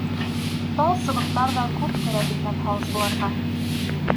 Тал сыбыҡтар ҙа күп кәрәк икән һалсыларға.